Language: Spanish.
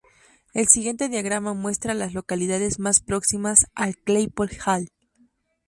El siguiente diagrama muestra a las localidades más próximas a Claypool Hill.